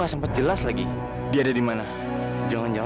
aku harus bisa lepas dari sini sebelum orang itu datang